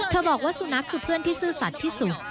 บอกว่าสุนัขคือเพื่อนที่ซื่อสัตว์ที่สุด